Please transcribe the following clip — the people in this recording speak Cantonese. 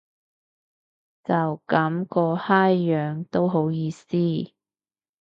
就噉個閪樣都好意思